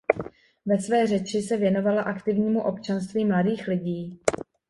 Ve své řeči se věnovala aktivnímu občanství mladých lidí.